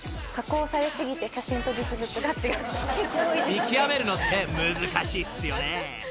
［見極めるのって難しいっすよね］